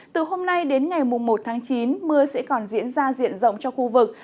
từ hôm nay đến ngày một tháng chín mưa sẽ còn diễn ra diện rộng cho khu vực